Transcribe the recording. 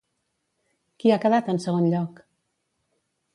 Qui ha quedat en segon lloc?